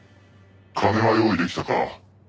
「金は用意できたか？」